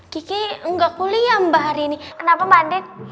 ki ki gak kuliah mbak hari ini kenapa mbak andien